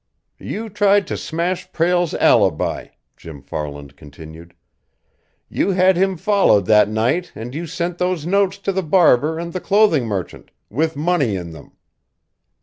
"You tried to smash Prale's alibi," Jim Farland continued. "You had him followed that night and you sent those notes to the barber and the clothing merchant, with money in them."